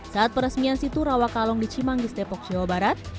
saat peresmian situ rawa kalong di cimanggis depok jawa barat